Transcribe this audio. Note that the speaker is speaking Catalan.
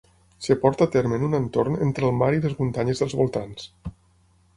Es porta a terme en un entorn entre el mar i les muntanyes dels voltants.